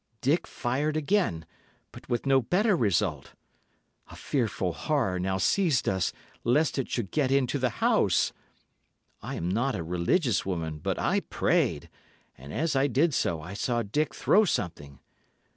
Dick fired again, but with no better result. A fearful horror now seized us, lest it should get into the house. I am not a religious woman, but I prayed, and as I did so I saw Dick throw something.